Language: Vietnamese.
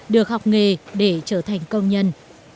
được học nghề để trở thành công nhân